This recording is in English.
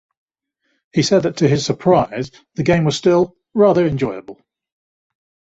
He said that to his surprise, the game was still "rather enjoyable".